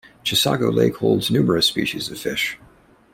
Chisago Lake holds numerous species of fish.